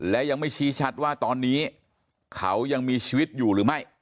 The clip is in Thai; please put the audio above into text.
และยังไม่ชี้ชัดว่าตอนนี้เขายังมีชีวิตอยู่หรือไม่